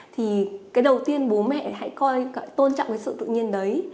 thì cái đầu tiên bố mẹ hãy coi tôn trọng cái sự tự nhiên đấy